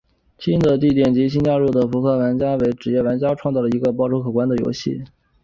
新的地点及新加入的扑克玩家为职业玩家创造出了一个报酬可观的游戏。